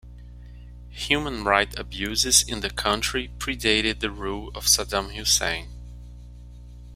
Human rights abuses in the country predated the rule of Saddam Hussein.